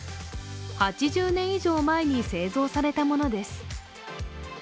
８０年以上前に製造されたものです。